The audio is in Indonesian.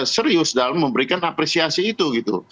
serius dalam memberikan apresiasi itu gitu